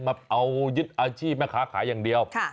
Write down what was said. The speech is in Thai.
มาเอายึดอาชีพแม่ค้าขายอย่างเดียว